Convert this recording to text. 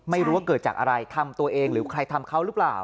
ไม่รู้ว่าเกิดจากอะไรทำตัวเองหรือใครทำเขาหรือเปล่า